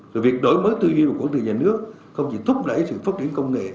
rồi việc đổi mới tư duyên của quản lý nhà nước không chỉ thúc đẩy sự phát triển công nghệ